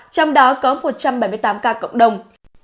trong đó có một trăm bảy mươi tám ca cộng đồng